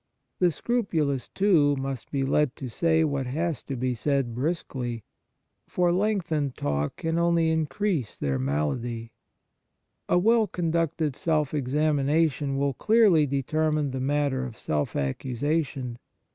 The scrupulous, too, must be led to say what has to be said briskly, for lengthened talk can only increase their malady. A well conducted self examination will clearly determine the matter of self accusation.